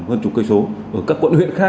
hơn chục cây số ở các quận huyện khác